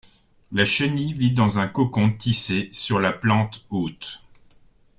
La chenille vit dans un cocon tissé sur la plante-hôte.